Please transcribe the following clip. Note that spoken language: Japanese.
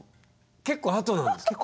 結構あとなんですか？